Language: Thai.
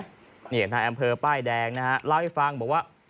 นี่เห็นไหมนายอำเภอป้ายแดงนะเล่าให้ฟังบอกว่า